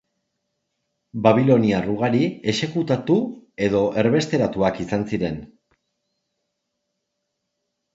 Babiloniar ugari, exekutatu edo erbesteratuak izan ziren.